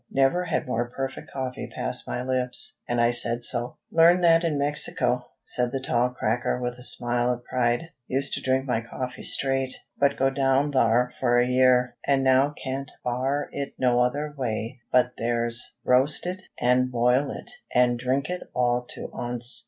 Never had more perfect coffee passed my lips, and I said so. "Learned that in Mexico," said the tall "cracker," with a smile of pride. "Used to drink my coffee straight; but go down thar for a year, an' now can't bar it no other way but their's. Roast it, an' boil it, and drink it all to onst.